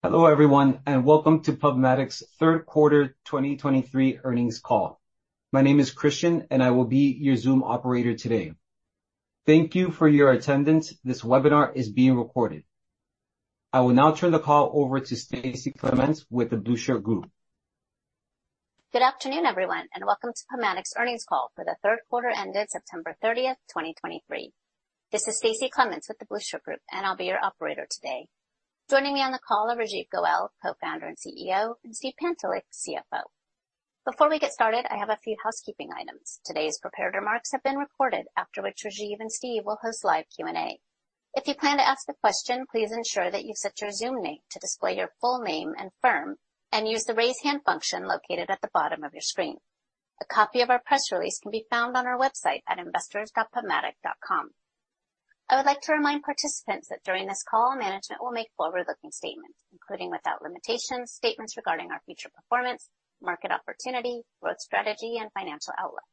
Hello, everyone, and welcome to PubMatic's third quarter 2023 earnings call. My name is Christian, and I will be your Zoom operator today. Thank you for your attendance. This webinar is being recorded. I will now turn the call over to Stacie Clements with the Blueshirt Group. Good afternoon, everyone, and welcome to PubMatic's earnings call for the third quarter ended September 30, 2023. This is Stacie Clements with the Blueshirt Group, and I'll be your operator today. Joining me on the call are Rajeev Goel, Co-founder and CEO, and Steve Pantelick, CFO. Before we get started, I have a few housekeeping items. Today's prepared remarks have been recorded, after which Rajeev and Steve will host live Q&A. If you plan to ask a question, please ensure that you set your Zoom name to display your full name and firm and use the Raise Hand function located at the bottom of your screen. A copy of our press release can be found on our website at investors.pubmatic.com. I would like to remind participants that during this call, management will make forward-looking statements, including, without limitation, statements regarding our future performance, market opportunity, growth strategy, and financial outlook.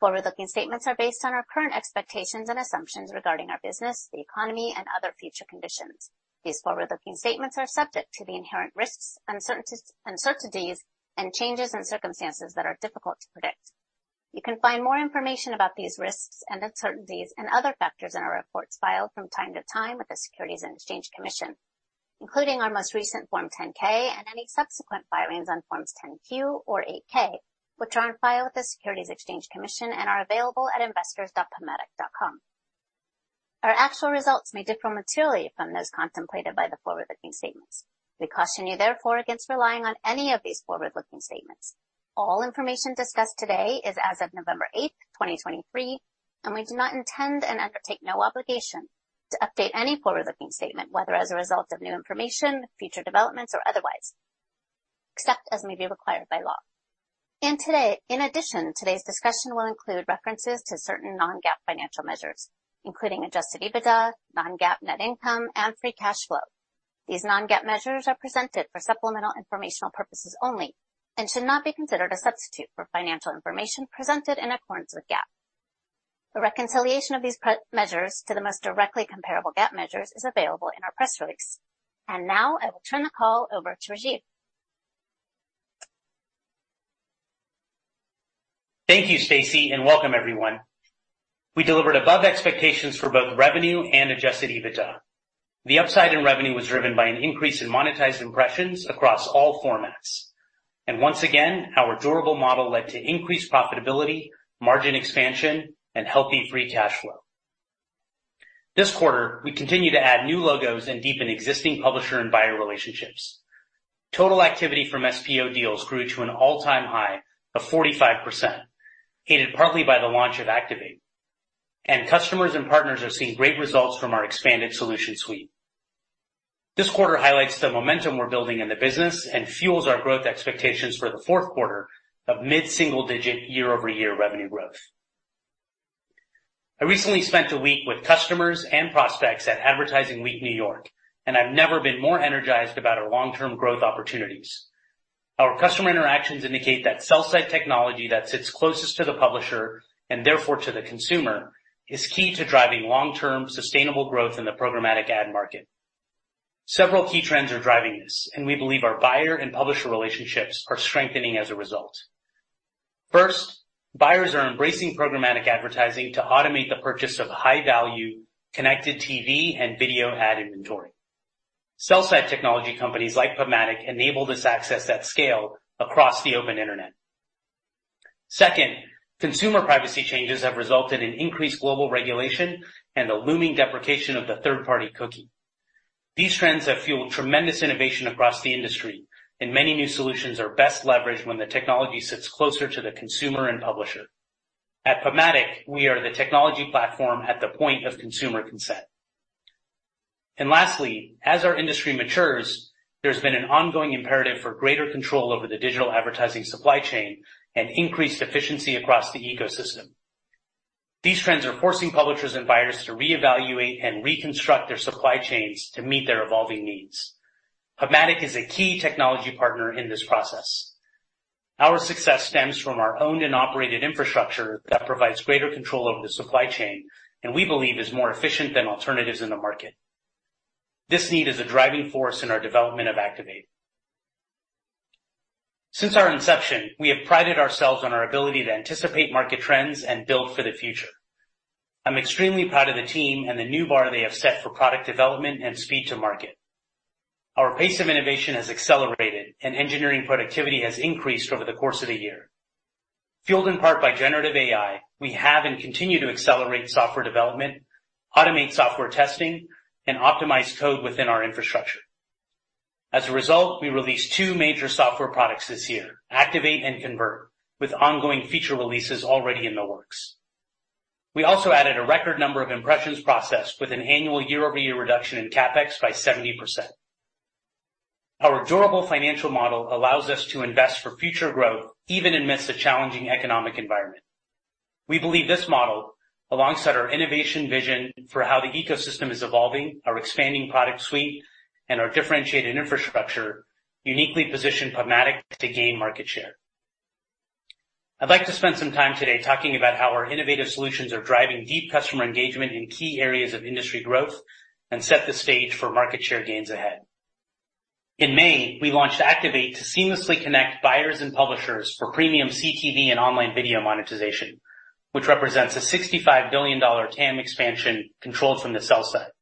Forward-looking statements are based on our current expectations and assumptions regarding our business, the economy, and other future conditions. These forward-looking statements are subject to the inherent risks, uncertainties, and changes in circumstances that are difficult to predict. You can find more information about these risks and uncertainties and other factors in our reports filed from time to time with the Securities and Exchange Commission, including our most recent Form 10-K and any subsequent filings on Forms 10-Q or 8-K, which are on file with the Securities and Exchange Commission and are available at investors.pubmatic.com. Our actual results may differ materially from those contemplated by the forward-looking statements. We caution you, therefore, against relying on any of these forward-looking statements. All information discussed today is as of November 8, 2023, and we do not intend and undertake no obligation to update any forward-looking statement, whether as a result of new information, future developments, or otherwise, except as may be required by law. In addition, today's discussion will include references to certain non-GAAP financial measures, including Adjusted EBITDA, non-GAAP net income, and free cash flow. These non-GAAP measures are presented for supplemental informational purposes only and should not be considered a substitute for financial information presented in accordance with GAAP. A reconciliation of these measures to the most directly comparable GAAP measures is available in our press release. And now, I will turn the call over to Rajeev. Thank you, Stacy, and welcome, everyone. We delivered above expectations for both revenue and Adjusted EBITDA. The upside in revenue was driven by an increase in monetized impressions across all formats. Once again, our durable model led to increased profitability, margin expansion, and healthy free cash flow. This quarter, we continued to add new logos and deepen existing publisher and buyer relationships. Total activity from SPO deals grew to an all-time high of 45%, aided partly by the launch of Activate. Customers and partners are seeing great results from our expanded solution suite. This quarter highlights the momentum we're building in the business and fuels our growth expectations for the fourth quarter of mid-single digit year-over-year revenue growth. I recently spent a week with customers and prospects at Advertising Week New York, and I've never been more energized about our long-term growth opportunities. Our customer interactions indicate that sell-side technology that sits closest to the publisher, and therefore to the consumer, is key to driving long-term, sustainable growth in the programmatic ad market. Several key trends are driving this, and we believe our buyer and publisher relationships are strengthening as a result. First, buyers are embracing programmatic advertising to automate the purchase of high-value connected TV and video ad inventory. Sell-side technology companies like PubMatic enable this access at scale across the open internet. Second, consumer privacy changes have resulted in increased global regulation and a looming deprecation of the third-party cookie. These trends have fueled tremendous innovation across the industry, and many new solutions are best leveraged when the technology sits closer to the consumer and publisher. At PubMatic, we are the technology platform at the point of consumer consent. Lastly, as our industry matures, there's been an ongoing imperative for greater control over the digital advertising supply chain and increased efficiency across the ecosystem. These trends are forcing publishers and buyers to reevaluate and reconstruct their supply chains to meet their evolving needs. PubMatic is a key technology partner in this process. Our success stems from our owned and operated infrastructure that provides greater control over the supply chain, and we believe is more efficient than alternatives in the market. This need is a driving force in our development of Activate. Since our inception, we have prided ourselves on our ability to anticipate market trends and build for the future. I'm extremely proud of the team and the new bar they have set for product development and speed to market. Our pace of innovation has accelerated, and engineering productivity has increased over the course of the year. Fueled in part by generative AI, we have and continue to accelerate software development, automate software testing, and optimize code within our infrastructure. As a result, we released two major software products this year, Activate and Convert, with ongoing feature releases already in the works. We also added a record number of impressions processed with an annual year-over-year reduction in CapEx by 70%. Our durable financial model allows us to invest for future growth, even amidst a challenging economic environment. We believe this model, alongside our innovation vision for how the ecosystem is evolving, our expanding product suite, and our differentiated infrastructure, uniquely position PubMatic to gain market share.... I'd like to spend some time today talking about how our innovative solutions are driving deep customer engagement in key areas of industry growth and set the stage for market share gains ahead. In May, we launched Activate to seamlessly connect buyers and publishers for premium CTV and online video monetization, which represents a $65 billion TAM expansion controlled from the sell side.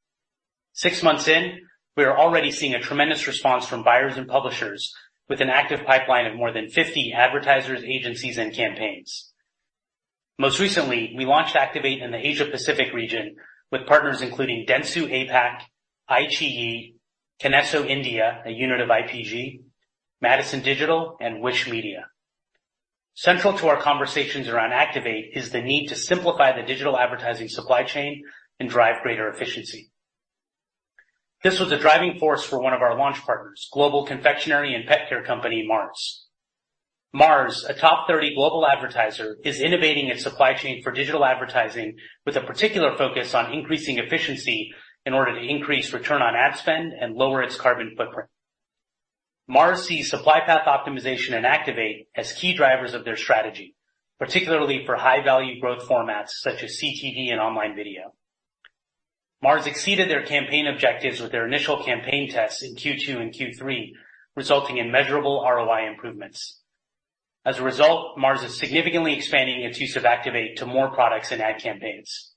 Six months in, we are already seeing a tremendous response from buyers and publishers with an active pipeline of more than 50 advertisers, agencies, and campaigns. Most recently, we launched Activate in the Asia Pacific region with partners including Dentsu APAC, iQIYI, Kinesso India, a unit of IPG, Madison Digital, and Wishmedia. Central to our conversations around Activate is the need to simplify the digital advertising supply chain and drive greater efficiency. This was a driving force for one of our launch partners, global confectionery and pet care company, Mars. Mars, a top 30 global advertiser, is innovating its supply chain for digital advertising with a particular focus on increasing efficiency in order to increase return on ad spend and lower its carbon footprint. Mars sees supply path optimization and Activate as key drivers of their strategy, particularly for high-value growth formats such as CTV and online video. Mars exceeded their campaign objectives with their initial campaign tests in Q2 and Q3, resulting in measurable ROI improvements. As a result, Mars is significantly expanding its use of Activate to more products and ad campaigns.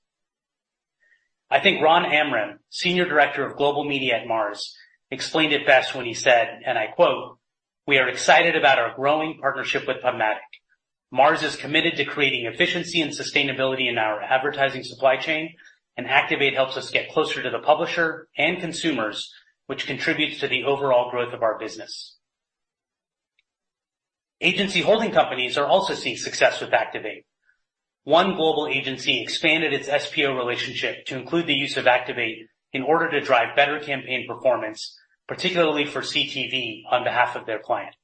I think Ron Amram, Senior Director of Global Media at Mars, explained it best when he said, and I quote, "We are excited about our growing partnership with PubMatic. Mars is committed to creating efficiency and sustainability in our advertising supply chain, and Activate helps us get closer to the publisher and consumers, which contributes to the overall growth of our business." Agency holding companies are also seeing success with Activate. One global agency expanded its SPO relationship to include the use of Activate in order to drive better campaign performance, particularly for CTV, on behalf of their client.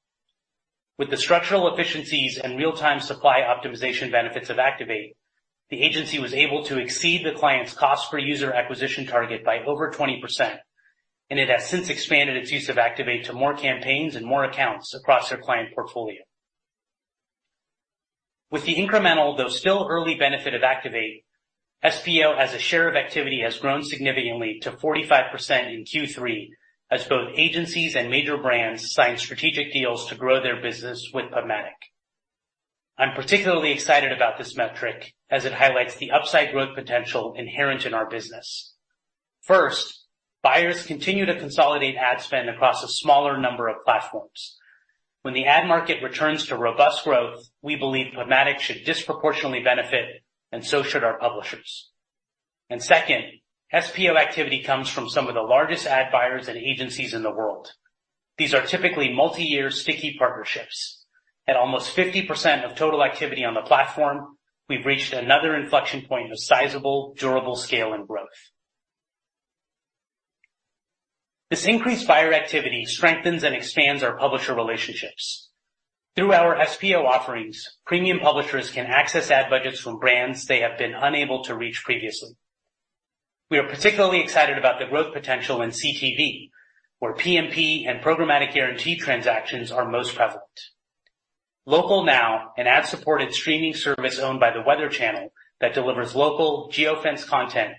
With the structural efficiencies and real-time supply optimization benefits of Activate, the agency was able to exceed the client's cost per user acquisition target by over 20%, and it has since expanded its use of Activate to more campaigns and more accounts across their client portfolio. With the incremental, though still early, benefit of Activate, SPO, as a share of activity, has grown significantly to 45% in Q3 as both agencies and major brands sign strategic deals to grow their business with PubMatic. I'm particularly excited about this metric as it highlights the upside growth potential inherent in our business. First, buyers continue to consolidate ad spend across a smaller number of platforms. When the ad market returns to robust growth, we believe PubMatic should disproportionately benefit, and so should our publishers. And second, SPO activity comes from some of the largest ad buyers and agencies in the world. These are typically multi-year, sticky partnerships. At almost 50% of total activity on the platform, we've reached another inflection point of sizable, durable scale and growth. This increased buyer activity strengthens and expands our publisher relationships. Through our SPO offerings, premium publishers can access ad budgets from brands they have been unable to reach previously. We are particularly excited about the growth potential in CTV, where PMP and Programmatic Guarantee transactions are most prevalent. Local Now, an ad-supported streaming service owned by The Weather Channel that delivers local geofenced content,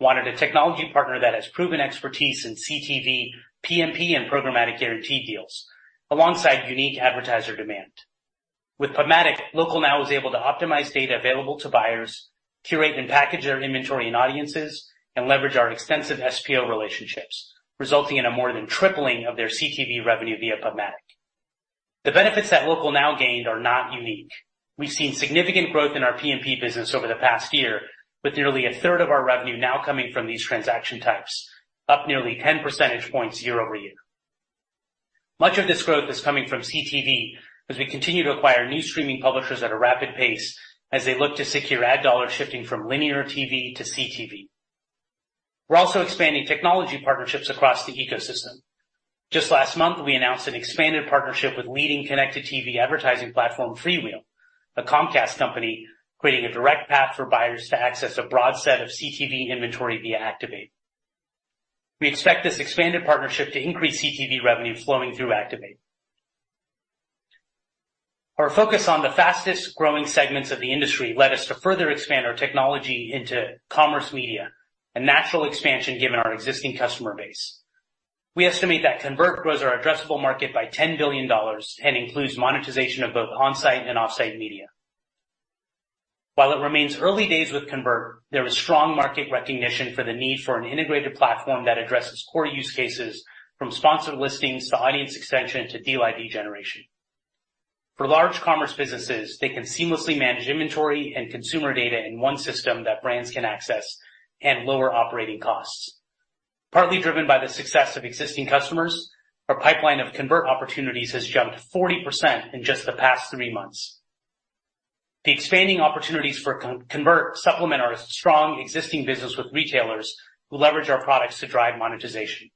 wanted a technology partner that has proven expertise in CTV, PMP, and Programmatic Guarantee deals alongside unique advertiser demand. With PubMatic, Local Now was able to optimize data available to buyers, curate and package their inventory and audiences, and leverage our extensive SPO relationships, resulting in a more than tripling of their CTV revenue via PubMatic. The benefits that Local Now gained are not unique. We've seen significant growth in our PMP business over the past year, with nearly a third of our revenue now coming from these transaction types, up nearly 10 percentage points year-over-year. Much of this growth is coming from CTV as we continue to acquire new streaming publishers at a rapid pace as they look to secure ad dollars shifting from linear TV to CTV. We're also expanding technology partnerships across the ecosystem. Just last month, we announced an expanded partnership with leading connected TV advertising platform, FreeWheel, a Comcast company, creating a direct path for buyers to access a broad set of CTV inventory via Activate. We expect this expanded partnership to increase CTV revenue flowing through Activate. Our focus on the fastest-growing segments of the industry led us to further expand our technology into commerce media, a natural expansion given our existing customer base. We estimate that Convert grows our addressable market by $10 billion and includes monetization of both on-site and off-site media. While it remains early days with Convert, there is strong market recognition for the need for an integrated platform that addresses core use cases, from sponsored listings to audience extension to deal ID generation. For large commerce businesses, they can seamlessly manage inventory and consumer data in one system that brands can access and lower operating costs. Partly driven by the success of existing customers, our pipeline of Convert opportunities has jumped 40% in just the past three months. The expanding opportunities for Convert supplement our strong existing business with retailers who leverage our products to drive monetization.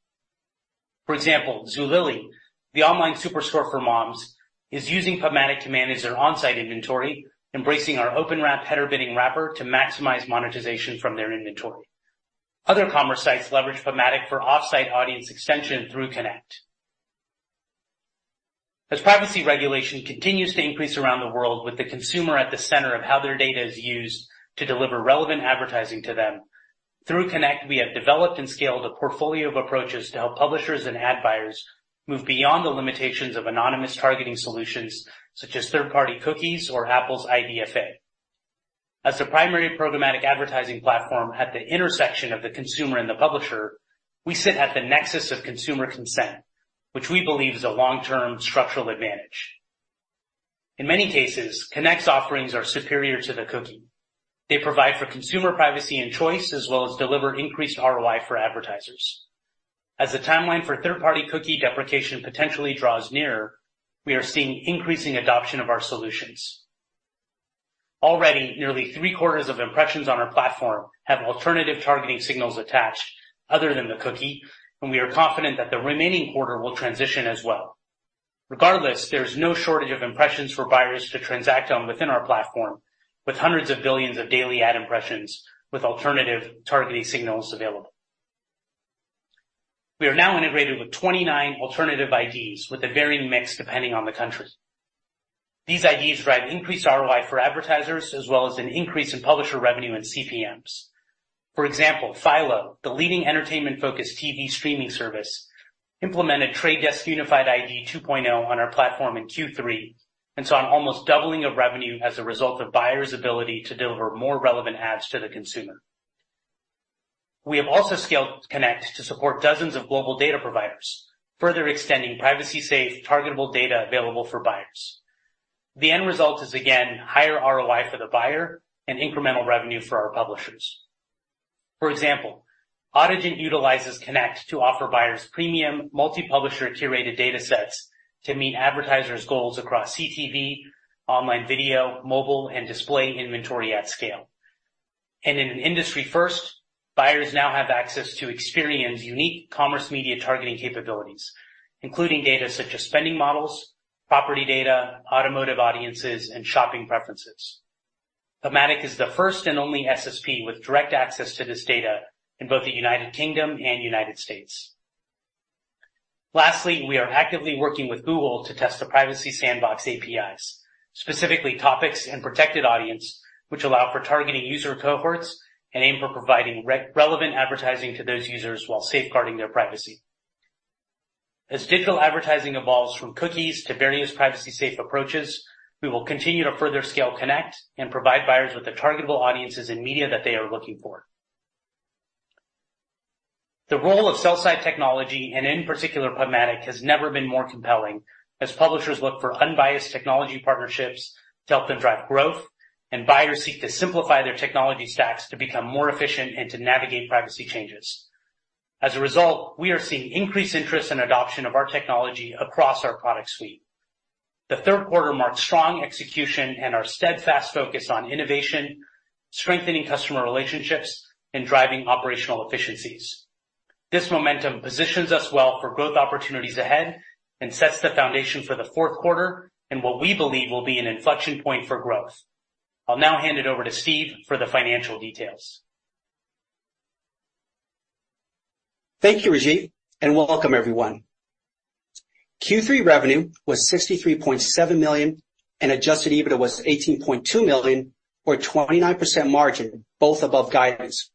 For example, Zulily, the online superstore for moms, is using PubMatic to manage their on-site inventory, embracing our OpenWrap header bidding wrapper to maximize monetization from their inventory. Other commerce sites leverage programmatic for off-site audience extension through Connect. As privacy regulation continues to increase around the world, with the consumer at the center of how their data is used to deliver relevant advertising to them, through Connect, we have developed and scaled a portfolio of approaches to help publishers and ad buyers move beyond the limitations of anonymous targeting solutions, such as third-party cookies or Apple's IDFA. As the primary programmatic advertising platform at the intersection of the consumer and the publisher, we sit at the nexus of consumer consent, which we believe is a long-term structural advantage. In many cases, Connect's offerings are superior to the cookie. They provide for consumer privacy and choice, as well as deliver increased ROI for advertisers. As the timeline for third-party cookie deprecation potentially draws nearer, we are seeing increasing adoption of our solutions. Already, nearly three-quarters of impressions on our platform have alternative targeting signals attached other than the cookie, and we are confident that the remaining quarter will transition as well. Regardless, there's no shortage of impressions for buyers to transact on within our platform, with hundreds of billions of daily ad impressions, with alternative targeting signals available. We are now integrated with 29 alternative IDs, with a varying mix, depending on the country. These IDs drive increased ROI for advertisers, as well as an increase in publisher revenue and CPMs. For example, Philo, the leading entertainment-focused TV streaming service, implemented The Trade Desk Unified ID 2.0 on our platform in Q3, and saw an almost doubling of revenue as a result of buyers' ability to deliver more relevant ads to the consumer. We have also scaled Connect to support dozens of global data providers, further extending privacy-safe targetable data available for buyers. The end result is, again, higher ROI for the buyer and incremental revenue for our publishers. For example, Audigent utilizes Connect to offer buyers premium multi-publisher curated data sets to meet advertisers' goals across CTV, online video, mobile, and display inventory at scale. In an industry first, buyers now have access to Experian's unique commerce media targeting capabilities, including data such as spending models, property data, automotive audiences, and shopping preferences. PubMatic is the first and only SSP with direct access to this data in both the United Kingdom and the United States. Lastly, we are actively working with Google to test the Privacy Sandbox APIs, specifically Topics and Protected Audience, which allow for targeting user cohorts and aim for providing relevant advertising to those users while safeguarding their privacy. As digital advertising evolves from cookies to various privacy-safe approaches, we will continue to further scale, connect, and provide buyers with the targetable audiences and media that they are looking for. The role of sell-side technology, and in particular, programmatic, has never been more compelling as publishers look for unbiased technology partnerships to help them drive growth, and buyers seek to simplify their technology stacks to become more efficient and to navigate privacy changes. As a result, we are seeing increased interest and adoption of our technology across our product suite. The third quarter marked strong execution and our steadfast focus on innovation, strengthening customer relationships, and driving operational efficiencies. This momentum positions us well for growth opportunities ahead and sets the foundation for the fourth quarter, and what we believe will be an inflection point for growth. I'll now hand it over to Steve for the financial details. Thank you, Rajeev, and welcome everyone. Q3 revenue was $63.7 million, and adjusted EBITDA was $18.2 million, or 29% margin, both above guidance.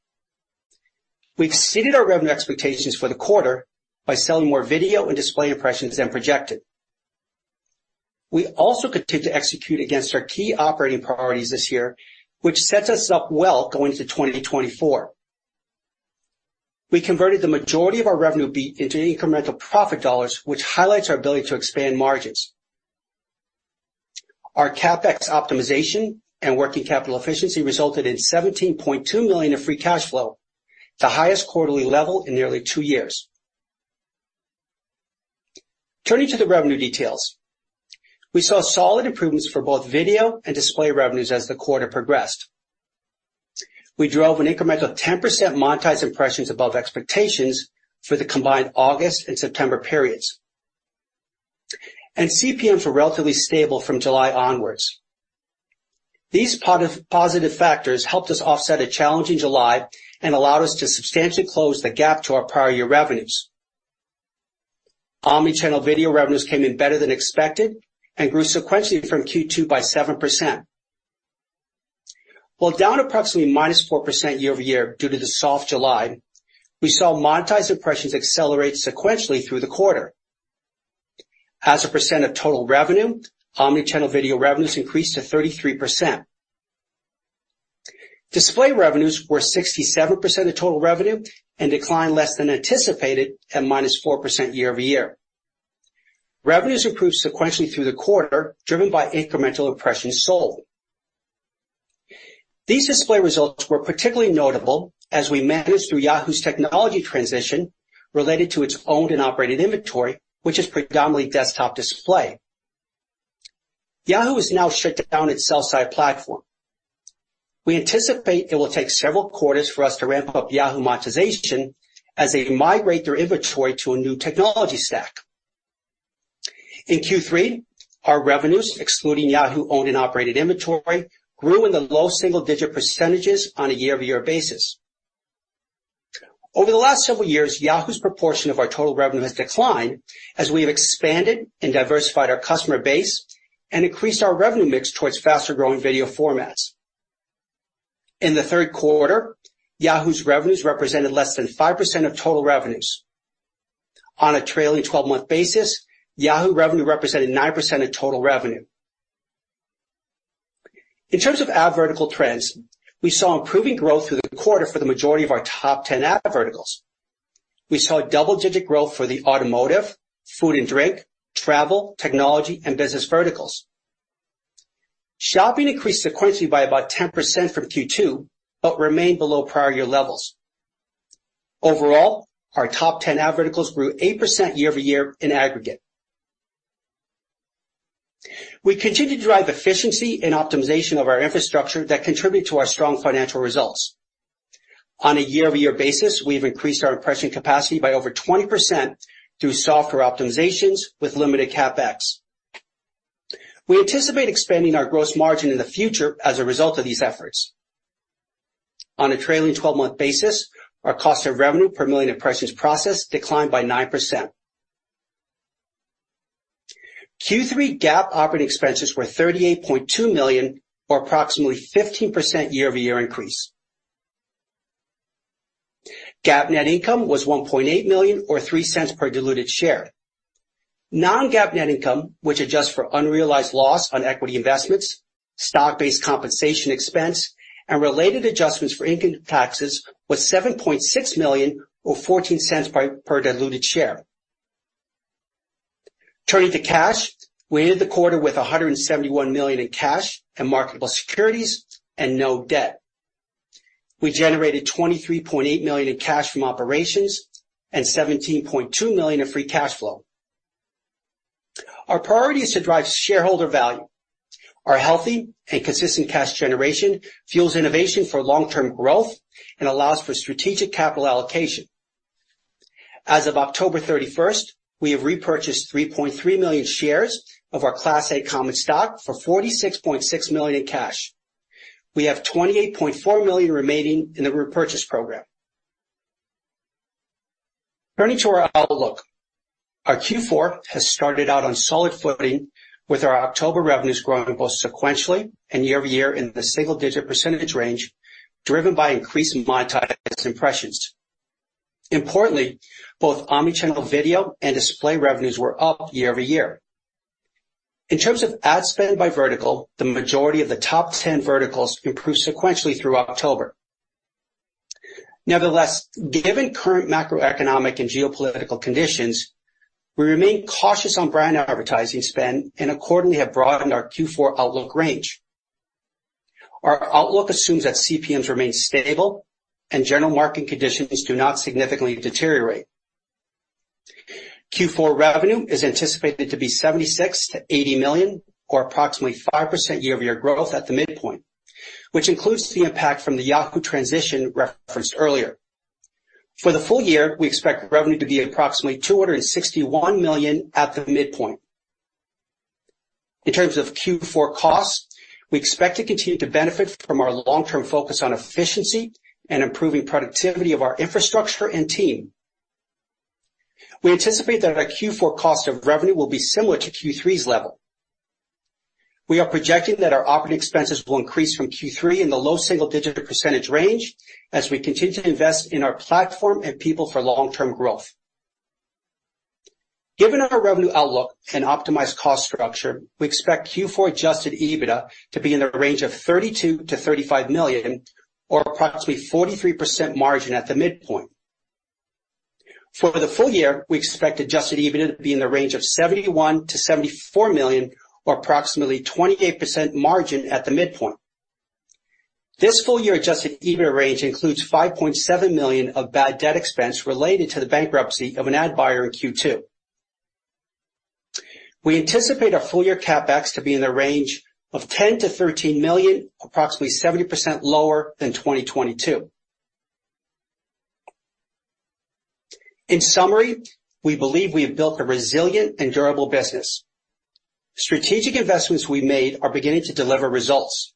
We exceeded our revenue expectations for the quarter by selling more video and display impressions than projected. We also continued to execute against our key operating priorities this year, which sets us up well going into 2024. We converted the majority of our revenue beat into incremental profit dollars, which highlights our ability to expand margins. Our CapEx optimization and working capital efficiency resulted in $17.2 million of free cash flow, the highest quarterly level in nearly two years. Turning to the revenue details. We saw solid improvements for both video and display revenues as the quarter progressed. We drove an incremental 10% monetized impressions above expectations for the combined August and September periods, and CPMs were relatively stable from July onwards. These positive factors helped us offset a challenging July and allowed us to substantially close the gap to our prior year revenues. Omnichannel video revenues came in better than expected and grew sequentially from Q2 by 7%. While down approximately -4% year-over-year due to the soft July, we saw monetized impressions accelerate sequentially through the quarter. As a percent of total revenue, omnichannel video revenues increased to 33%. Display revenues were 67% of total revenue and declined less than anticipated at -4% year-over-year. Revenues improved sequentially through the quarter, driven by incremental impressions sold. These display results were particularly notable as we managed through Yahoo's technology transition related to its owned and operated inventory, which is predominantly desktop display. Yahoo has now shut down its sell-side platform. We anticipate it will take several quarters for us to ramp up Yahoo monetization as they migrate their inventory to a new technology stack. In Q3, our revenues, excluding Yahoo owned and operated inventory, grew in the low single-digit % on a year-over-year basis. Over the last several years, Yahoo's proportion of our total revenue has declined as we have expanded and diversified our customer base and increased our revenue mix towards faster-growing video formats. In the third quarter, Yahoo's revenues represented less than 5% of total revenues. On a trailing 12-month basis, Yahoo revenue represented 9% of total revenue. In terms of ad vertical trends, we saw improving growth through the quarter for the majority of our top 10 ad verticals. We saw double-digit growth for the automotive, food and drink, travel, technology, and business verticals. Shopping increased sequentially by about 10% from Q2, but remained below prior year levels. Overall, our top 10 ad verticals grew 8% year over year in aggregate. We continue to drive efficiency and optimization of our infrastructure that contribute to our strong financial results. On a year-over-year basis, we've increased our impression capacity by over 20% through software optimizations with limited CapEx. We anticipate expanding our gross margin in the future as a result of these efforts. On a trailing 12-month basis, our cost of revenue per million impressions processed declined by 9%. Q3 GAAP operating expenses were $38.2 million, or approximately 15% year-over-year increase. GAAP net income was $1.8 million or $0.03 per diluted share. Non-GAAP net income, which adjusts for unrealized loss on equity investments, stock-based compensation expense, and related adjustments for income taxes, was $7.6 million or $0.14 per diluted share. Turning to cash, we ended the quarter with $171 million in cash and marketable securities and no debt. We generated $23.8 million in cash from operations and $17.2 million in free cash flow. Our priority is to drive shareholder value. Our healthy and consistent cash generation fuels innovation for long-term growth and allows for strategic capital allocation. As of October thirty-first, we have repurchased 3.3 million shares of our Class A common stock for $46.6 million in cash. We have $28.4 million remaining in the repurchase program. Turning to our outlook. Our Q4 has started out on solid footing, with our October revenues growing both sequentially and year-over-year in the single-digit % range, driven by increasing monetized impressions. Importantly, both omni-channel video and display revenues were up year-over-year. In terms of ad spend by vertical, the majority of the top 10 verticals improved sequentially through October. Nevertheless, given current macroeconomic and geopolitical conditions, we remain cautious on brand advertising spend and accordingly have broadened our Q4 outlook range. Our outlook assumes that CPMs remain stable and general market conditions do not significantly deteriorate. Q4 revenue is anticipated to be $76 million-$80 million, or approximately 5% year-over-year growth at the midpoint, which includes the impact from the Yahoo transition referenced earlier. For the full year, we expect revenue to be approximately $261 million at the midpoint. In terms of Q4 costs, we expect to continue to benefit from our long-term focus on efficiency and improving productivity of our infrastructure and team. We anticipate that our Q4 cost of revenue will be similar to Q3's level. We are projecting that our operating expenses will increase from Q3 in the low single-digit percentage range as we continue to invest in our platform and people for long-term growth. Given our revenue outlook and optimized cost structure, we expect Q4 Adjusted EBITDA to be in the range of $32 million-$35 million, or approximately 43% margin at the midpoint. For the full year, we expect Adjusted EBITDA to be in the range of $71 million-$74 million, or approximately 28% margin at the midpoint. This full-year adjusted EBITDA range includes $5.7 million of bad debt expense related to the bankruptcy of an ad buyer in Q2. We anticipate our full-year CapEx to be in the range of $10 million-$13 million, approximately 70% lower than 2022. In summary, we believe we have built a resilient and durable business. Strategic investments we made are beginning to deliver results.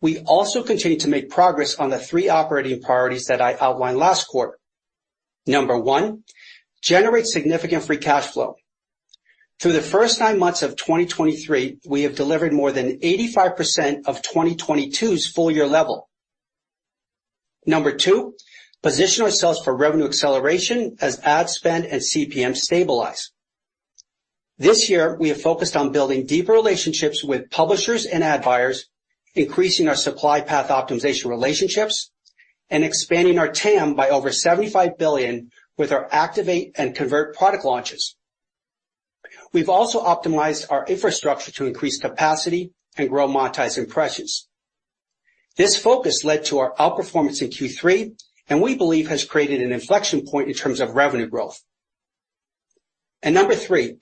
We also continue to make progress on the three operating priorities that I outlined last quarter. Number one, generate significant free cash flow. Through the first nine months of 2023, we have delivered more than 85% of 2022's full year level. Number two, position ourselves for revenue acceleration as ad spend and CPM stabilize. This year, we have focused on building deeper relationships with publishers and ad buyers, increasing our supply path optimization relationships, and expanding our TAM by over $75 billion with our Activate and Convert product launches. We've also optimized our infrastructure to increase capacity and grow monetized impressions. This focus led to our outperformance in Q3, and we believe has created an inflection point in terms of revenue growth. And number three,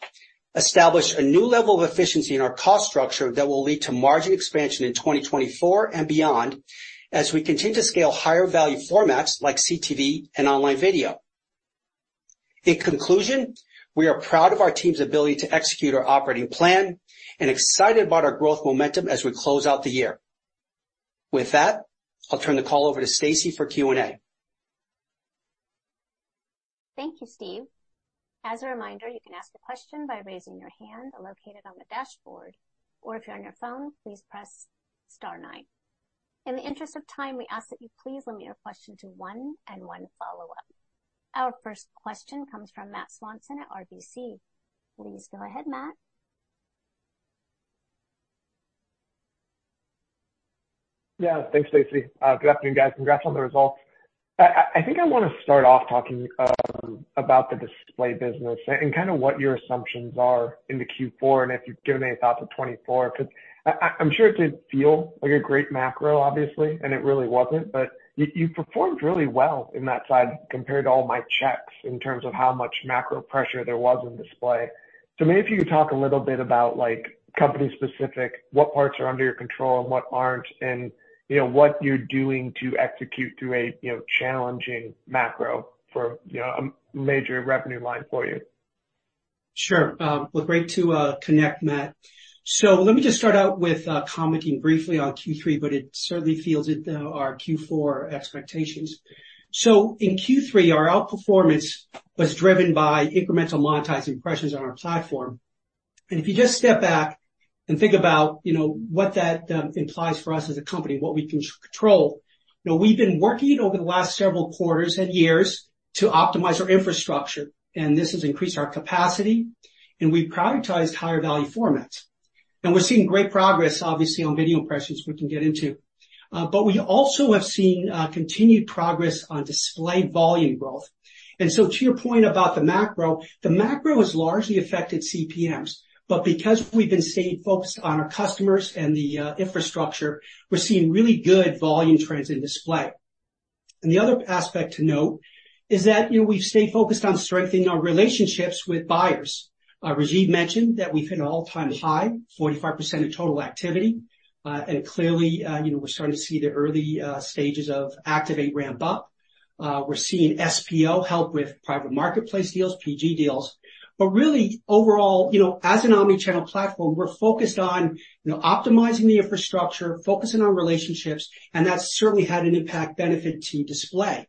establish a new level of efficiency in our cost structure that will lead to margin expansion in 2024 and beyond as we continue to scale higher value formats like CTV and online video.... In conclusion, we are proud of our team's ability to execute our operating plan and excited about our growth momentum as we close out the year. With that, I'll turn the call over to Stacy for Q&A. Thank you, Steve. As a reminder, you can ask a question by raising your hand located on the dashboard, or if you're on your phone, please press star nine. In the interest of time, we ask that you please limit your question to one and one follow-up. Our first question comes from Matt Swanson at RBC. Please go ahead, Matt. Yeah, thanks, Stacy. Good afternoon, guys. Congrats on the results. I think I wanna start off talking about the display business and kind of what your assumptions are into Q4, and if you've given any thoughts of 2024, 'cause I'm sure it didn't feel like a great macro, obviously, and it really wasn't. But you performed really well in that side compared to all my checks in terms of how much macro pressure there was in display. So maybe if you could talk a little bit about, like, company-specific, what parts are under your control and what aren't, and, you know, what you're doing to execute through a, you know, challenging macro for, you know, a major revenue line for you. Sure. Well, great to connect, Matt. So let me just start out with commenting briefly on Q3, but it certainly feels it our Q4 expectations. So in Q3, our outperformance was driven by incremental monetized impressions on our platform. And if you just step back and think about, you know, what that implies for us as a company, what we control, you know, we've been working over the last several quarters and years to optimize our infrastructure, and this has increased our capacity, and we've prioritized higher value formats. And we're seeing great progress, obviously, on video impressions we can get into. But we also have seen continued progress on display volume growth. And so to your point about the macro, the macro has largely affected CPMs, but because we've been staying focused on our customers and the infrastructure, we're seeing really good volume trends in display. And the other aspect to note is that, you know, we've stayed focused on strengthening our relationships with buyers. Rajeev mentioned that we've hit an all-time high, 45% of total activity. And clearly, you know, we're starting to see the early stages of Activate ramp up. We're seeing SPO help with private marketplace deals, PG deals. But really, overall, you know, as an omni-channel platform, we're focused on, you know, optimizing the infrastructure, focusing on relationships, and that's certainly had an impact benefit to display.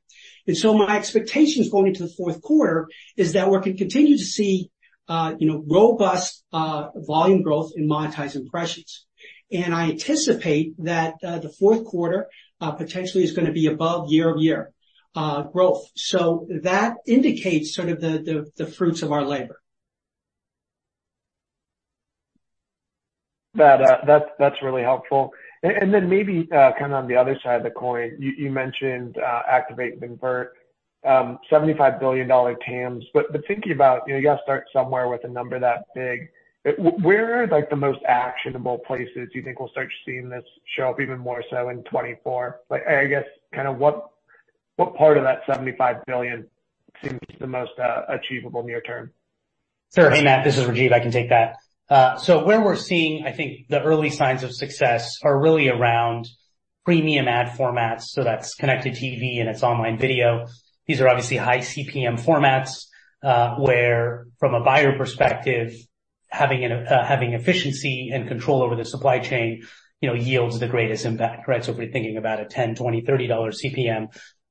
And so my expectations going into the fourth quarter is that we're gonna continue to see, you know, robust volume growth in Monetized Impressions. And I anticipate that the fourth quarter potentially is gonna be above year-over-year growth. So that indicates sort of the fruits of our labor. That's really helpful. And then maybe kind of on the other side of the coin, you mentioned Activate and Convert, $75 billion TAMs. But thinking about, you know, you gotta start somewhere with a number that big. Where are, like, the most actionable places you think we'll start seeing this show up even more so in 2024? Like, I guess kind of, what part of that $75 billion seems the most achievable near term? Sure. Hey, Matt, this is Rajeev. I can take that. So where we're seeing, I think, the early signs of success are really around premium ad formats, so that's connected TV, and it's online video. These are obviously high CPM formats, where, from a buyer perspective, having efficiency and control over the supply chain, you know, yields the greatest impact, right? So we're thinking about a $10, $20, $30 CPM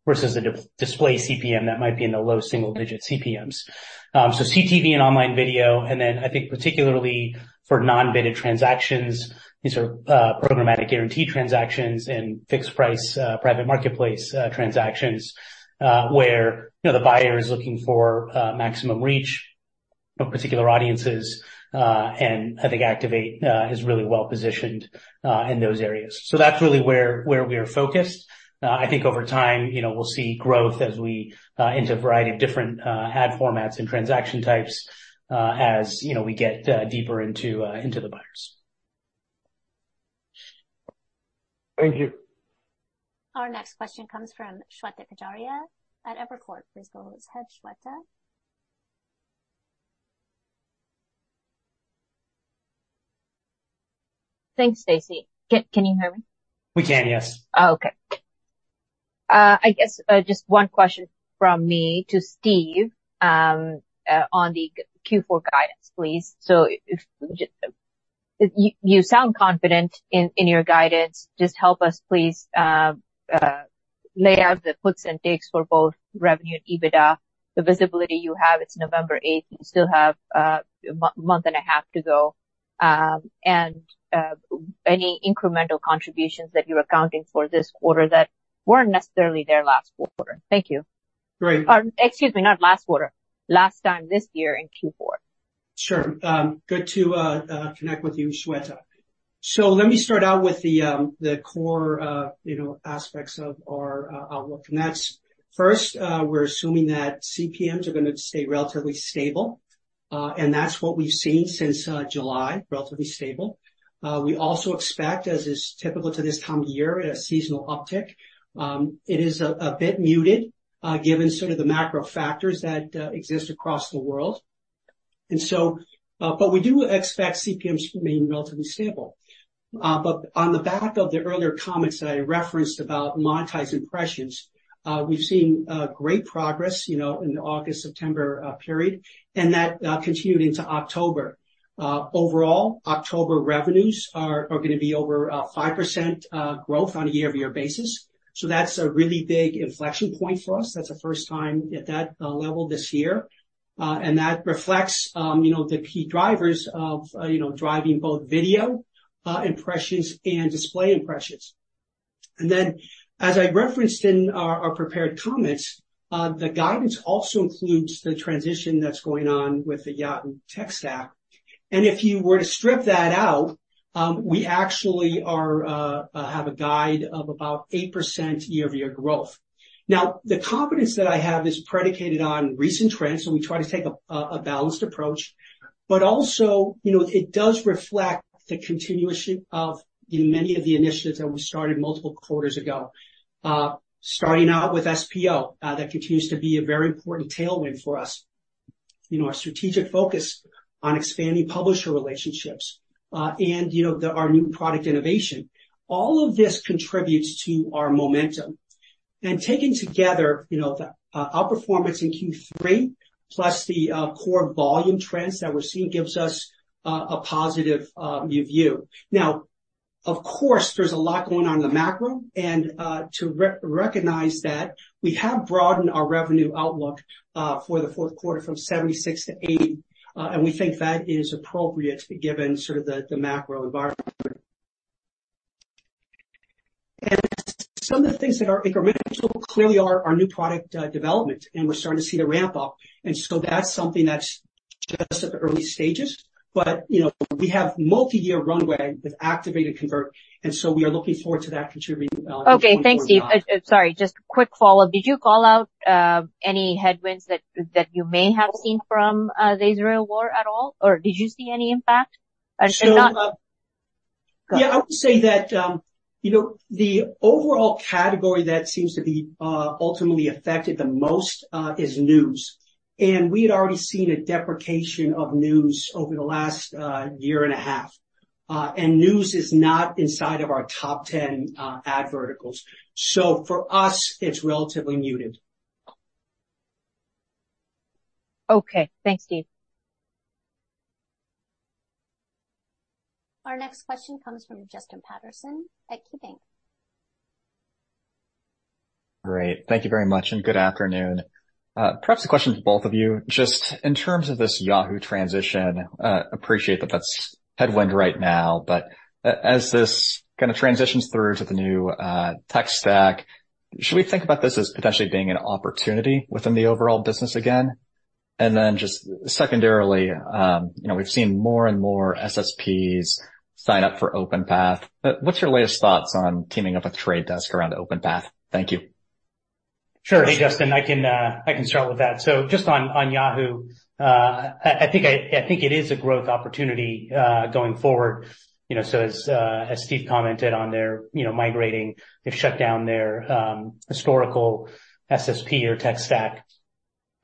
versus a display CPM that might be in the low single-digit CPMs. So CTV and online video, and then I think particularly for non-bidded transactions, these are programmatic guaranteed transactions and fixed price private marketplace transactions, where, you know, the buyer is looking for maximum reach of particular audiences. And I think Activate is really well positioned in those areas. So that's really where we are focused. I think over time, you know, we'll see growth as we into a variety of different ad formats and transaction types, as you know, we get deeper into the buyers. Thank you. Our next question comes from Shweta Khajuria at Evercore. Please go ahead, Shweta. Thanks, Stacy. Can you hear me? We can, yes. Oh, okay. I guess just one question from me to Steve on the Q4 guidance, please. So if you sound confident in your guidance. Just help us please lay out the puts and takes for both revenue and EBITDA. The visibility you have, it's November eighth, you still have a month and a half to go. And any incremental contributions that you're accounting for this quarter that weren't necessarily there last quarter. Thank you. Great. Excuse me, not last quarter, last time this year in Q4. Sure. Good to connect with you, Shweta. So let me start out with the core, you know, aspects of our outlook. And that's first, we're assuming that CPMs are gonna stay relatively stable, and that's what we've seen since July, relatively stable. We also expect, as is typical to this time of year, a seasonal uptick. It is a bit muted, given sort of the macro factors that exist across the world.... And so, but we do expect CPMs to remain relatively stable. But on the back of the earlier comments that I referenced about monetized impressions, we've seen great progress, you know, in the August, September period, and that continued into October. Overall, October revenues are gonna be over 5% growth on a year-over-year basis. So that's a really big inflection point for us. That's the first time at that level this year. And that reflects you know the key drivers of you know driving both video impressions and display impressions. And then, as I referenced in our prepared comments, the guidance also includes the transition that's going on with the Yahoo tech stack. And if you were to strip that out, we actually have a guide of about 8% year-over-year growth. Now, the confidence that I have is predicated on recent trends, and we try to take a balanced approach. But also, you know, it does reflect the continuation of many of the initiatives that we started multiple quarters ago. Starting out with SPO, that continues to be a very important tailwind for us. You know, our strategic focus on expanding publisher relationships, and, you know, the our new product innovation. All of this contributes to our momentum. And taken together, you know, the our performance in Q3, plus the core volume trends that we're seeing, gives us a positive view. Now, of course, there's a lot going on in the macro, and, to re-recognize that, we have broadened our revenue outlook for the fourth quarter from $76-$80, and we think that is appropriate given sort of the the macro environment. And some of the things that are incremental clearly are our new product development, and we're starting to see the ramp up. And so that's something that's just at the early stages, but, you know, we have multi-year runway with Activate and Convert, and so we are looking forward to that contributing. Okay, thanks, Steve. Sorry, just a quick follow-up. Did you call out any headwinds that you may have seen from the Israel war at all, or did you see any impact? Or not- So, uh- Go. Yeah, I would say that, you know, the overall category that seems to be ultimately affected the most is news. We had already seen a deprecation of news over the last year and a half. News is not inside of our top 10 ad verticals. So for us, it's relatively muted. Okay. Thanks, Steve. Our next question comes from Justin Patterson at KeyBanc. Great. Thank you very much, and good afternoon. Perhaps a question for both of you. Just in terms of this Yahoo transition, appreciate that that's headwind right now, but as this kind of transitions through to the new tech stack, should we think about this as potentially being an opportunity within the overall business again? And then just secondarily, you know, we've seen more and more SSPs sign up for OpenPath. But what's your latest thoughts on teaming up with Trade Desk around OpenPath? Thank you. Sure. Hey, Justin, I can start with that. So just on Yahoo. I think it is a growth opportunity going forward. You know, so as Steve commented on their, you know, migrating, they've shut down their historical SSP or tech stack,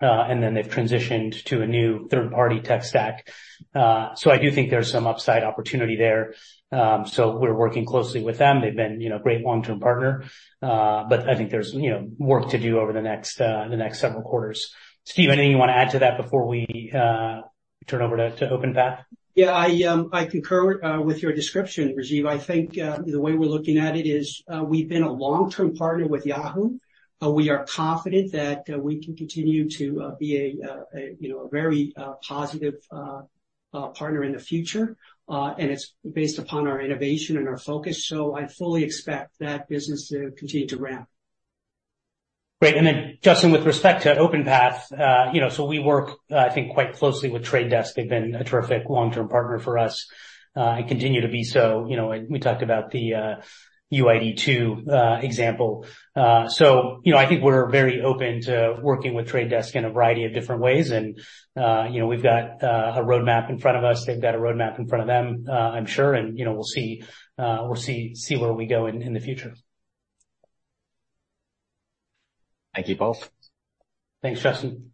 and then they've transitioned to a new third-party tech stack. So I do think there's some upside opportunity there. So we're working closely with them. They've been, you know, a great long-term partner, but I think there's, you know, work to do over the next several quarters. Steve, anything you want to add to that before we turn over to OpenPath? Yeah, I concur with your description, Rajeev. I think the way we're looking at it is we've been a long-term partner with Yahoo! We are confident that we can continue to be a, you know, a very positive partner in the future. And it's based upon our innovation and our focus. So I fully expect that business to continue to ramp. Great. And then, Justin, with respect to OpenPath, you know, so we work, I think, quite closely with Trade Desk. They've been a terrific long-term partner for us, and continue to be so. You know, and we talked about the, UID2, example. So, you know, I think we're very open to working with Trade Desk in a variety of different ways. And, you know, we've got, a roadmap in front of us. They've got a roadmap in front of them, I'm sure, and, you know, we'll see where we go in the future. Thank you, both. Thanks, Justin.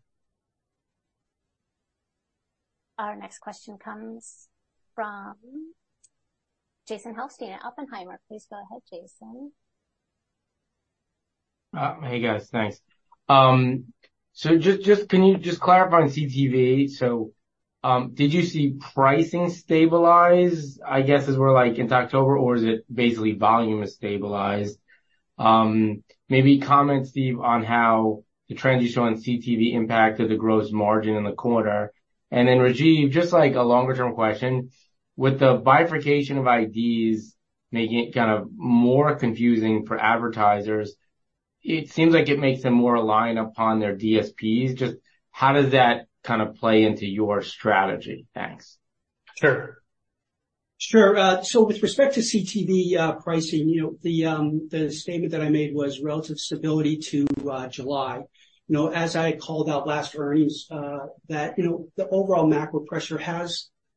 Our next question comes from Jason Helfstein at Oppenheimer. Please go ahead, Jason. Hey, guys. Thanks. So just... Can you just clarify on CTV? So, did you see pricing stabilize, I guess, as we're, like, into October, or is it basically volume is stabilized? Maybe comment, Steve, on how the trends you saw in CTV impacted the gross margin in the quarter. And then, Rajeev, just, like, a longer-term question: With the bifurcation of IDs making it kind of more confusing for advertisers, it seems like it makes them more aligned upon their DSPs. Just how does that kind of play into your strategy? Thanks. Sure. Sure. So with respect to CTV, pricing, you know, the statement that I made was relative stability to July. You know, as I called out last earnings, that, you know, the overall macro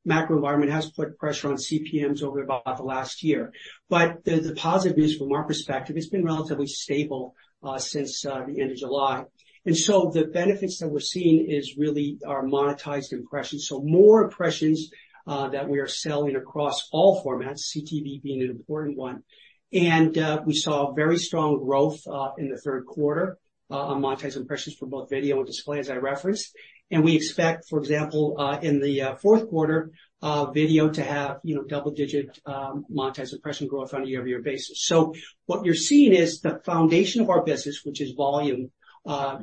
environment has put pressure on CPMs over about the last year. But the positive news from our perspective, it's been relatively stable since the end of July. And so the benefits that we're seeing is really our monetized impressions. So more impressions that we are selling across all formats, CTV being an important one. And we saw very strong growth in the third quarter on monetized impressions for both video and display, as I referenced. And we expect, for example, in the fourth quarter, video to have, you know, double-digit monetized impression growth on a year-over-year basis. So what you're seeing is the foundation of our business, which is volume,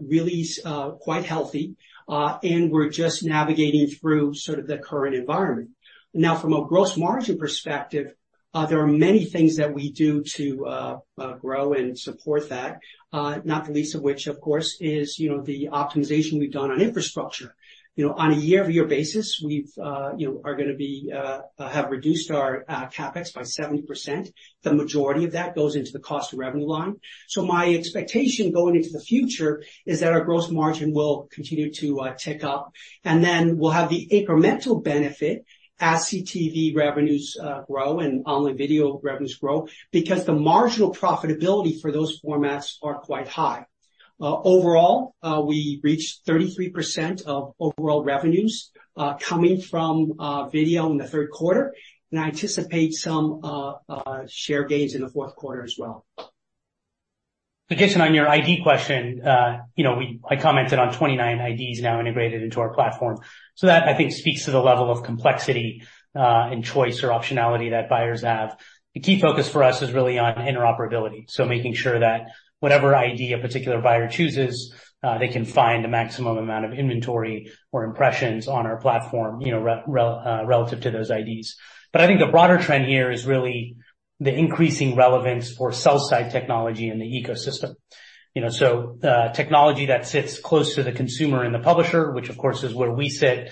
really is quite healthy, and we're just navigating through sort of the current environment. Now, from a gross margin perspective, there are many things that we do to grow and support that, not the least of which, of course, is, you know, the optimization we've done on infrastructure. You know, on a year-over-year basis, we've, you know, are gonna be have reduced our CapEx by 70%. The majority of that goes into the cost of revenue line. So my expectation going into the future is that our gross margin will continue to tick up, and then we'll have the incremental benefit as CTV revenues grow and online video revenues grow, because the marginal profitability for those formats are quite high. Overall, we reached 33% of overall revenues coming from video in the third quarter, and I anticipate some share gains in the fourth quarter as well. So Jason, on your ID question, you know, I commented on 29 IDs now integrated into our platform. So that, I think, speaks to the level of complexity, and choice or optionality that buyers have. The key focus for us is really on interoperability, so making sure that whatever ID a particular buyer chooses, they can find the maximum amount of inventory or impressions on our platform, you know, relative to those IDs. But I think the broader trend here is really the increasing relevance for sell-side technology in the ecosystem. You know, so, technology that sits close to the consumer and the publisher, which of course is where we sit,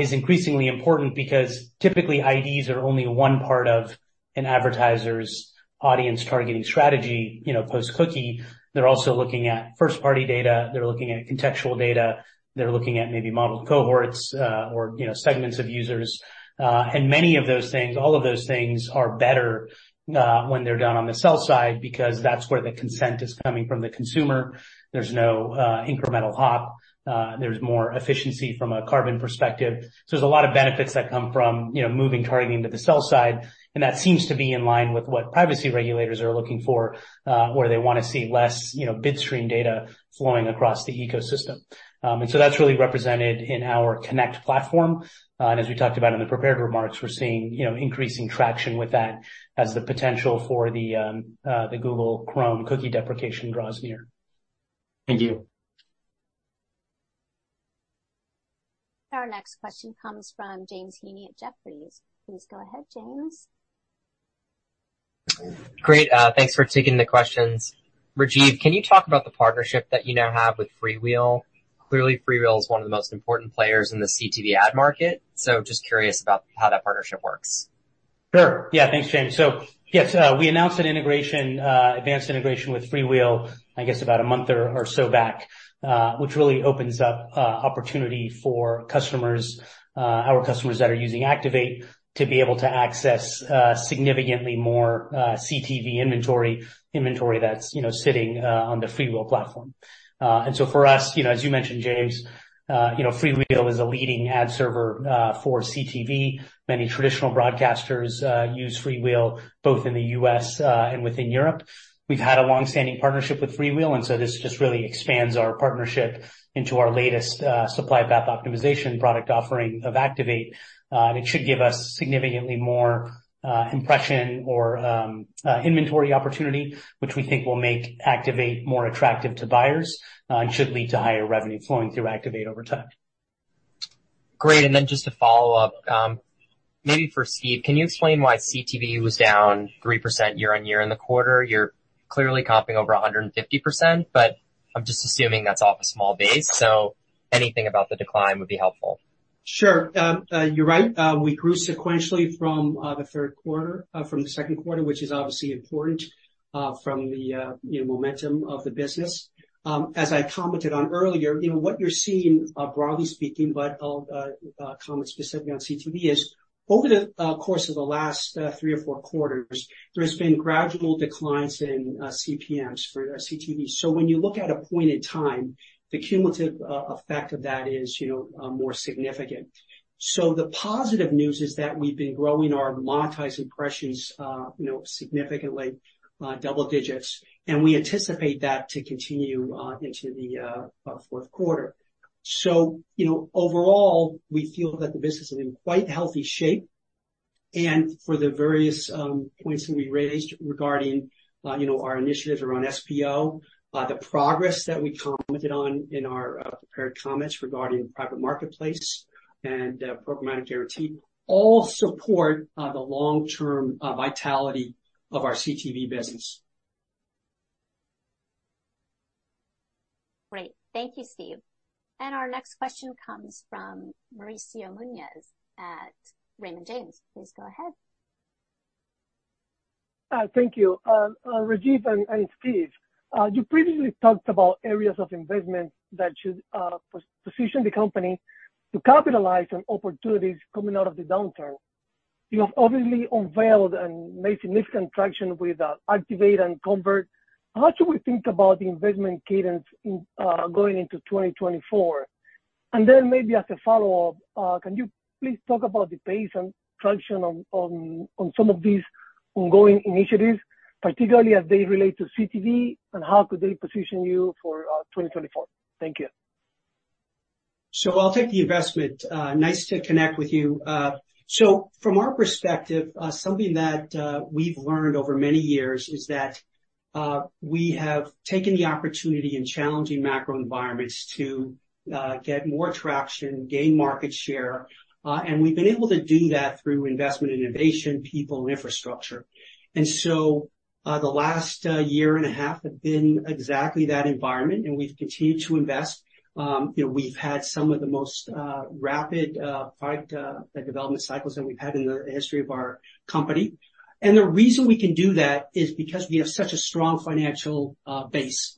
is increasingly important because typically IDs are only one part of an advertiser's audience targeting strategy. You know, post-cookie, they're also looking at first-party data, they're looking at contextual data, they're looking at maybe modeled cohorts, or, you know, segments of users. And many of those things, all of those things are better, when they're done on the sell side, because that's where the consent is coming from the consumer. There's no incremental hop, there's more efficiency from a carbon perspective. So there's a lot of benefits that come from, you know, moving targeting to the sell side, and that seems to be in line with what privacy regulators are looking for, where they want to see less, you know, bid stream data flowing across the ecosystem. And so that's really represented in our Connect platform. As we talked about in the prepared remarks, we're seeing, you know, increasing traction with that as the potential for the Google Chrome cookie deprecation draws near. Thank you. Our next question comes from James Heaney at Jefferies. Please go ahead, James. Great, thanks for taking the questions. Rajeev, can you talk about the partnership that you now have with FreeWheel? Clearly, FreeWheel is one of the most important players in the CTV ad market, so just curious about how that partnership works. Sure. Yeah, thanks, James. So, yes, we announced an integration, advanced integration with FreeWheel, I guess, about a month or so back, which really opens up opportunity for customers, our customers that are using Activate, to be able to access significantly more CTV inventory, inventory that's, you know, sitting on the FreeWheel platform. And so for us, you know, as you mentioned, James, you know, FreeWheel is a leading ad server for CTV. Many traditional broadcasters use FreeWheel, both in the U.S. and within Europe. We've had a long-standing partnership with FreeWheel, and so this just really expands our partnership into our latest supply path optimization product offering of Activate. It should give us significantly more impressions or inventory opportunity, which we think will make Activate more attractive to buyers, and should lead to higher revenue flowing through Activate over time. Great. And then just to follow up, maybe for Steve, can you explain why CTV was down 3% year-on-year in the quarter? You're clearly comping over 150%, but I'm just assuming that's off a small base, so anything about the decline would be helpful. Sure. You're right. We grew sequentially from the third quarter from the second quarter, which is obviously important from the you know momentum of the business. As I commented on earlier, you know, what you're seeing broadly speaking, but I'll comment specifically on CTV, is over the course of the last three or four quarters, there's been gradual declines in CPMs for CTV. So when you look at a point in time, the cumulative effect of that is, you know, more significant. So the positive news is that we've been growing our monetized impressions you know significantly double digits, and we anticipate that to continue into the fourth quarter. So, you know, overall, we feel that the business is in quite healthy shape. For the various points that we raised regarding, you know, our initiatives around SPO, the progress that we commented on in our prepared comments regarding Private Marketplace and Programmatic Guarantee, all support the long-term vitality of our CTV business. Great. Thank you, Steve. Our next question comes from Mauricio Munoz at Raymond James. Please go ahead. Thank you. Rajeev and Steve, you previously talked about areas of investment that should position the company to capitalize on opportunities coming out of the downturn. You have obviously unveiled and made significant traction with Activate and Convert. How should we think about the investment cadence in going into 2024? And then maybe as a follow-up, can you please talk about the pace and traction on some of these ongoing initiatives, particularly as they relate to CTV, and how could they position you for 2024? Thank you. So I'll take the investment. Nice to connect with you. So from our perspective, something that we've learned over many years is that we have taken the opportunity in challenging macro environments to get more traction, gain market share, and we've been able to do that through investment, innovation, people, and infrastructure. And so, the last year and a half have been exactly that environment, and we've continued to invest. You know, we've had some of the most rapid product development cycles that we've had in the history of our company. And the reason we can do that is because we have such a strong financial base.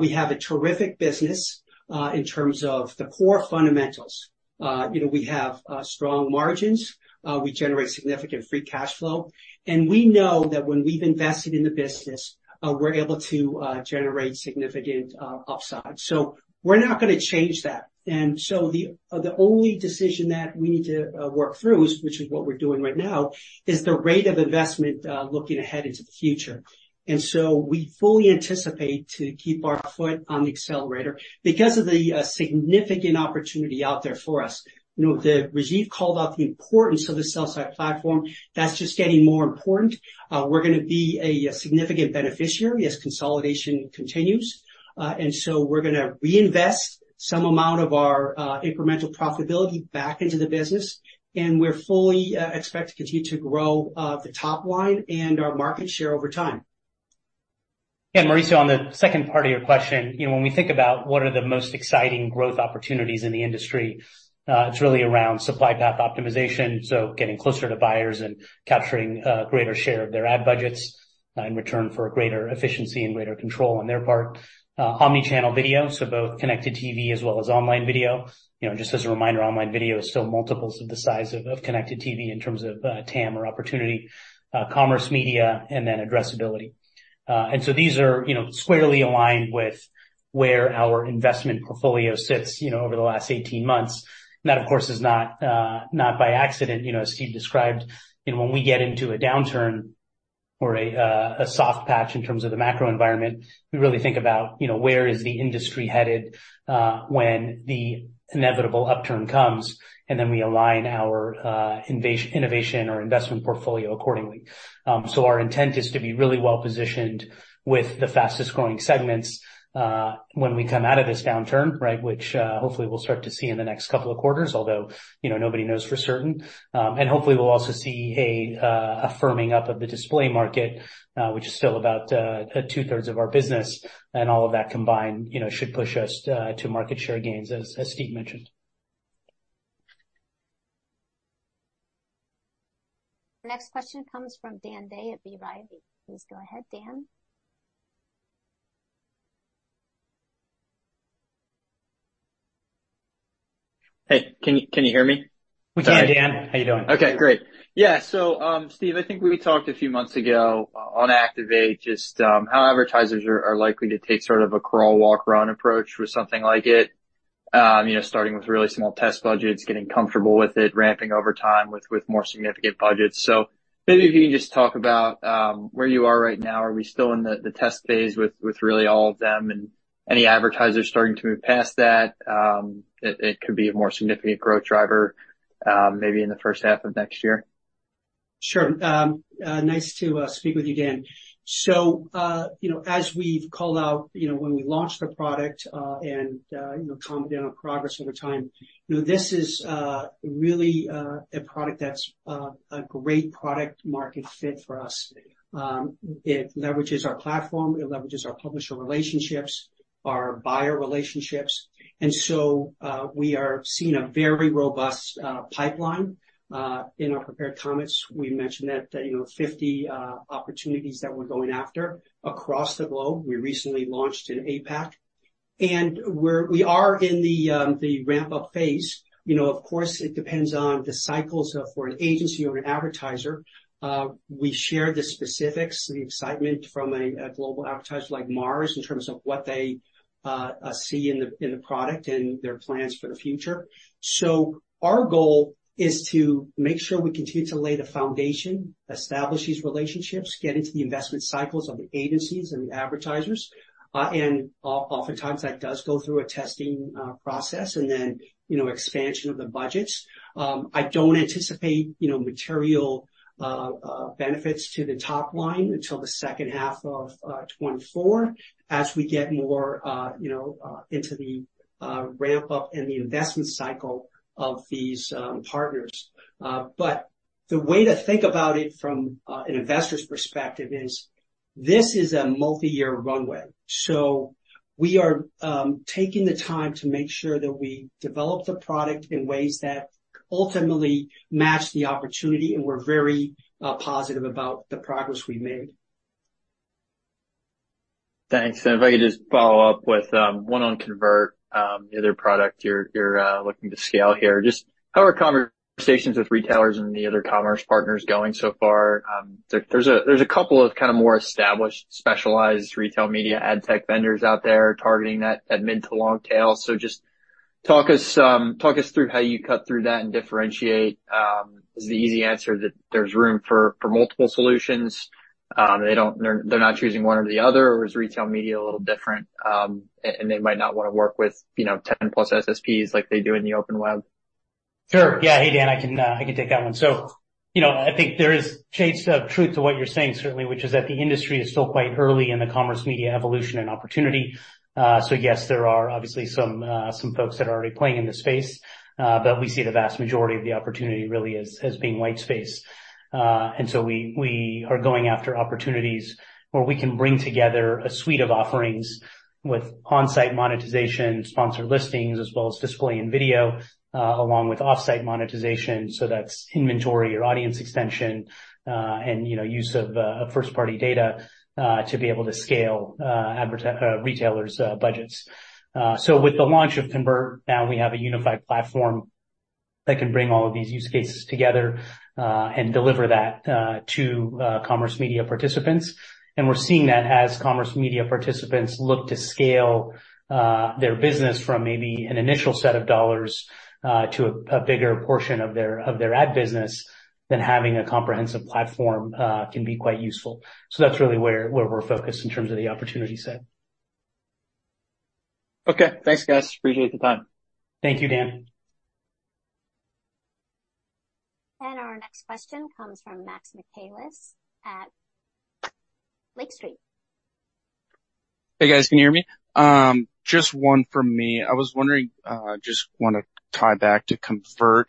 We have a terrific business in terms of the core fundamentals. You know, we have strong margins, we generate significant free cash flow, and we know that when we've invested in the business, we're able to generate significant upside. So we're not gonna change that. And so the only decision that we need to work through, which is what we're doing right now, is the rate of investment looking ahead into the future. And so we fully anticipate to keep our foot on the accelerator because of the significant opportunity out there for us. You know, Rajeev called out the importance of the sell-side platform. That's just getting more important. We're gonna be a significant beneficiary as consolidation continues, and so we're gonna reinvest some amount of our incremental profitability back into the business, and we're fully expect to continue to grow the top line and our market share over time. Yeah, Mauricio, on the second part of your question, you know, when we think about what are the most exciting growth opportunities in the industry, it's really around supply path optimization, so getting closer to buyers and capturing greater share of their ad budgets in return for a greater efficiency and greater control on their part. Omni-channel video, so both connected TV as well as online video. You know, just as a reminder, online video is still multiples of the size of connected TV in terms of TAM or opportunity, commerce media, and then addressability. And so these are, you know, squarely aligned with where our investment portfolio sits, you know, over the last 18 months. And that, of course, is not by accident. You know, as Steve described, you know, when we get into a downturn or a soft patch in terms of the macro environment, we really think about, you know, where is the industry headed, when the inevitable upturn comes, and then we align our innovation or investment portfolio accordingly. So our intent is to be really well positioned with the fastest growing segments, when we come out of this downturn, right? Which, hopefully we'll start to see in the next couple of quarters, although, you know, nobody knows for certain. And hopefully we'll also see a firming up of the display market, which is still about two-thirds of our business, and all of that combined, you know, should push us to market share gains, as Steve mentioned. Next question comes from Dan Day at B. Riley. Please go ahead, Dan. Hey, can you hear me? We can, Dan. How you doing? Okay, great. Yeah, so, Steve, I think we talked a few months ago on Activate, just, how advertisers are likely to take sort of a crawl, walk, run approach with something like it. You know, starting with really small test budgets, getting comfortable with it, ramping over time with more significant budgets. So maybe if you can just talk about where you are right now. Are we still in the test phase with really all of them, and any advertisers starting to move past that? It could be a more significant growth driver, maybe in the first half of next year. Sure. Nice to speak with you, Dan. So, you know, as we've called out, you know, when we launched the product, and, you know, commented on our progress over time, you know, this is, really, a product that's, a great product market fit for us. It leverages our platform, it leverages our publisher relationships, our buyer relationships, and so, we are seeing a very robust pipeline. In our prepared comments, we mentioned that, you know, 50 opportunities that we're going after across the globe. We recently launched in APAC, and we are in the, the ramp-up phase. You know, of course, it depends on the cycles, for an agency or an advertiser. We share the specifics, the excitement from a global advertiser like Mars, in terms of what they see in the product and their plans for the future. So our goal is to make sure we continue to lay the foundation, establish these relationships, get into the investment cycles of the agencies and the advertisers. And oftentimes that does go through a testing process and then, you know, expansion of the budgets. I don't anticipate, you know, material benefits to the top line until the second half of 2024, as we get more, you know, into the ramp up and the investment cycle of these partners. But the way to think about it from an investor's perspective is, this is a multi-year runway. We are taking the time to make sure that we develop the product in ways that ultimately match the opportunity, and we're very positive about the progress we've made.... Thanks. If I could just follow up with one on Convert, the other product you're looking to scale here. Just how are conversations with retailers and the other commerce partners going so far? There's a couple of kind of more established, specialized retail media ad tech vendors out there targeting that mid to long tail. So just talk us through how you cut through that and differentiate. Is the easy answer that there's room for multiple solutions? They don't. They're not choosing one or the other, or is retail media a little different, and they might not wanna work with, you know, 10+ SSPs like they do in the open web? Sure, yeah. Hey, Dan, I can, I can take that one. So, you know, I think there is shades of truth to what you're saying, certainly, which is that the industry is still quite early in the commerce media evolution and opportunity. So yes, there are obviously some, some folks that are already playing in this space, but we see the vast majority of the opportunity really as, as being white space. And so we, we are going after opportunities where we can bring together a suite of offerings with on-site monetization, sponsored listings, as well as display and video, along with off-site monetization, so that's inventory or audience extension, and, you know, use of, of first-party data, to be able to scale, retailers' budgets. So with the launch of Convert, now we have a unified platform that can bring all of these use cases together, and deliver that to commerce media participants. And we're seeing that as commerce media participants look to scale their business from maybe an initial set of dollars to a bigger portion of their ad business, then having a comprehensive platform can be quite useful. So that's really where we're focused in terms of the opportunity set. Okay. Thanks, guys. Appreciate the time. Thank you, Dan. Our next question comes from Max Michaelis at Lake Street. Hey, guys, can you hear me? Just one from me. I was wondering, just wanna tie back to Convert.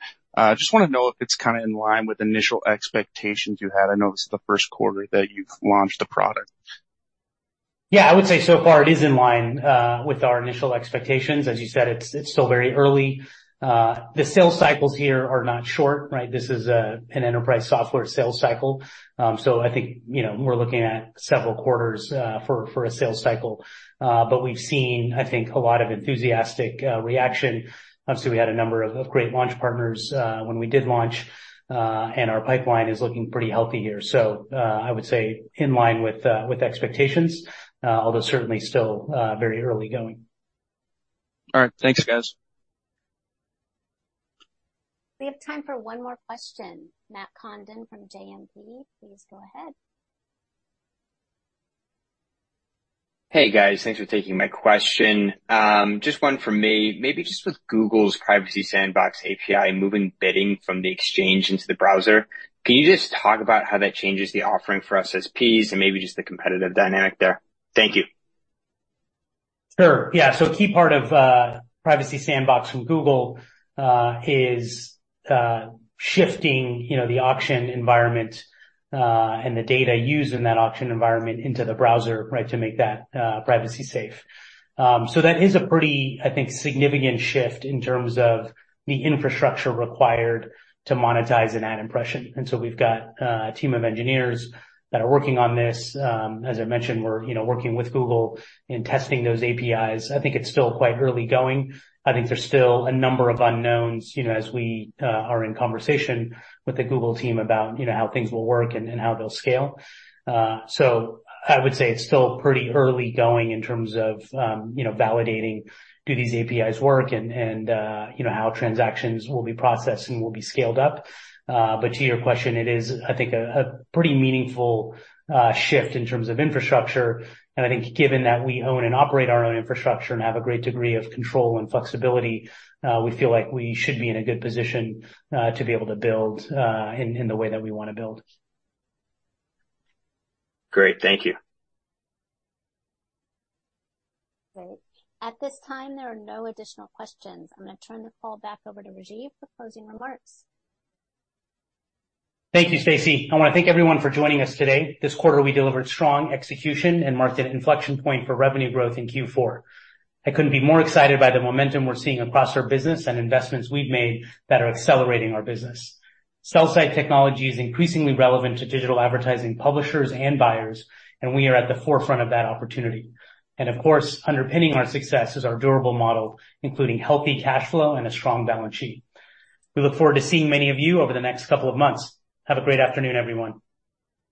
Just wanna know if it's kind of in line with initial expectations you had. I know this is the first quarter that you've launched the product. Yeah, I would say so far it is in line with our initial expectations. As you said, it's still very early. The sales cycles here are not short, right? This is an enterprise software sales cycle. So I think, you know, we're looking at several quarters for a sales cycle. But we've seen, I think, a lot of enthusiastic reaction. So we had a number of great launch partners when we did launch and our pipeline is looking pretty healthy here. So I would say in line with expectations, although certainly still very early going. All right. Thanks, guys. We have time for one more question. Matt Condon from JMP, please go ahead. Hey, guys. Thanks for taking my question. Just one from me. Maybe just with Google's Privacy Sandbox API, moving bidding from the exchange into the browser, can you just talk about how that changes the offering for SSPs and maybe just the competitive dynamic there? Thank you. Sure. Yeah. So a key part of Privacy Sandbox from Google is shifting, you know, the auction environment and the data used in that auction environment into the browser, right, to make that privacy safe. So that is a pretty, I think, significant shift in terms of the infrastructure required to monetize an ad impression. And so we've got a team of engineers that are working on this. As I mentioned, we're, you know, working with Google in testing those APIs. I think it's still quite early going. I think there's still a number of unknowns, you know, as we are in conversation with the Google team about, you know, how things will work and how they'll scale. So I would say it's still pretty early going in terms of, you know, validating do these APIs work, and you know, how transactions will be processed and will be scaled up. But to your question, it is, I think, a pretty meaningful shift in terms of infrastructure. And I think given that we own and operate our own infrastructure and have a great degree of control and flexibility, we feel like we should be in a good position to be able to build in the way that we wanna build. Great. Thank you. Great. At this time, there are no additional questions. I'm gonna turn the call back over to Rajeev for closing remarks. Thank you, Stacy. I wanna thank everyone for joining us today. This quarter, we delivered strong execution and marked an inflection point for revenue growth in Q4. I couldn't be more excited by the momentum we're seeing across our business and investments we've made that are accelerating our business. Sell-side technology is increasingly relevant to digital advertising publishers and buyers, and we are at the forefront of that opportunity. And of course, underpinning our success is our durable model, including healthy cash flow and a strong balance sheet. We look forward to seeing many of you over the next couple of months. Have a great afternoon, everyone.